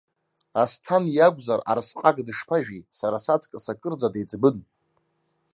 Асҭан иакәзар, арсҟак дышԥажәи, сара саҵкыс акырӡа деиҵбын!